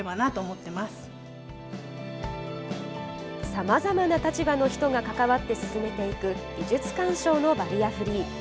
さまざまな立場の人が関わって進めていく美術鑑賞のバリアフリー。